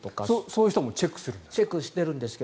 そういう人もチェックするんですか？